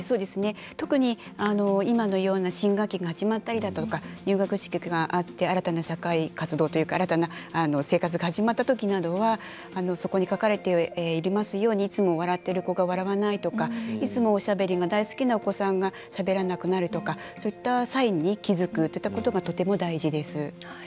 特に今のような新学期が始まったりだとか入学式があって新たな社会活動というか新たな生活が始まったときなどはそこに書かれていますようにいつも笑っている子が笑わないとかいつもおしゃべりが大好きなお子さんがしゃべらなくなるとかそういったサインに気付くことがとても大事です。